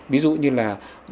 ví dụ như là